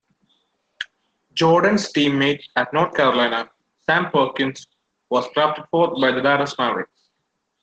Jordan's teammate at North Carolina, Sam Perkins, was drafted fourth by the Dallas Mavericks.